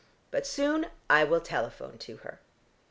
But soon I will telephone to her."